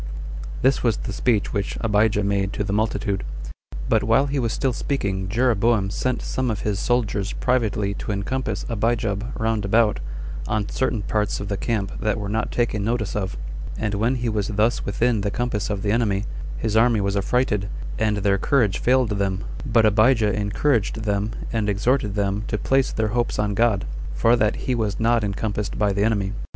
3. This was the speech which Abijah made to the multitude. But while he was still speaking Jeroboam sent some of his soldiers privately to encompass Abijab round about, on certain parts of the camp that were not taken notice of; and when he was thus within the compass of the enemy, his army was affrighted, and their courage failed them; but Abijah encouraged them, and exhorted them to place their hopes on God, for that he was not encompassed by the enemy.